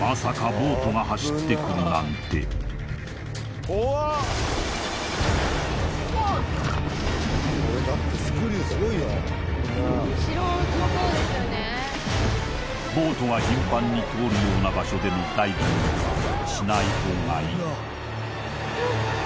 ボートが走ってくるなんてボートが頻繁に通るような場所でのダイビングはしない方がいい